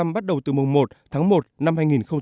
bắt đầu từ mùng một tháng một năm hai nghìn một mươi tám